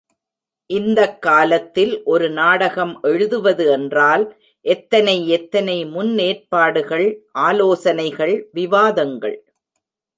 இந்தக் காலத்தில் ஒரு நாடகம் எழுதுவது என்றால் எத்தனை எத்தனை முன் ஏற்பாடுகள் ஆலோசனைகள் விவாதங்கள்.